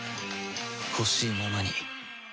ほしいままに